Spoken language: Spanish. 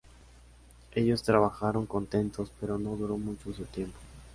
Ellos trabajaron contentos, pero no duró mucho tiempo.